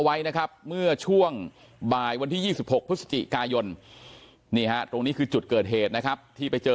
ไว้นะครับเมื่อช่วงบ่ายวันที่๒๖พฤศจิกายนนี่ฮะตรงนี้คือจุดเกิดเหตุนะครับที่ไปเจอ